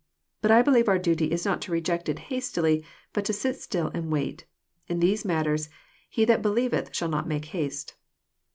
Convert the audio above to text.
But I believe our duty is not to reject it hastily, but to sit still and wait. In these matters he that believeth shall not make haste."